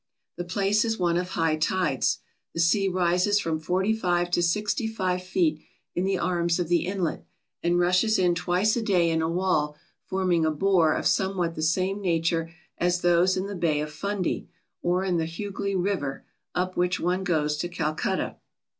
The place is one of high tides. The sea rises from forty five to sixty 274 THE BIGGEST THING IN ALASKA five feet in the arms of the inlet, and rushes in twice a day in a wall forming a bore of somewhat the same nature as those in the Bay of Fundy or in the Hugli River, up which one goes to Calcutta.